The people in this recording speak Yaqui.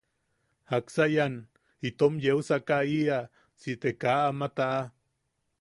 ¿Jaksa ian itom yeu sakaaʼiʼa si te kaa ama taʼa?